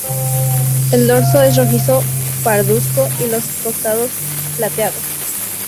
El dorso es rojizo pardusco y los costados, plateados.